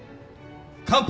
乾杯！